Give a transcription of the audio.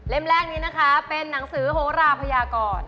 แรกนี้นะคะเป็นหนังสือโหราพยากร